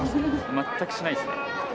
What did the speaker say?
全くしないです。